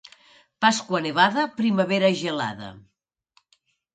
Pasqua nevada, primavera gelada.